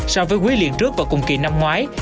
so với quý liên trước và cùng kỳ năm ngoái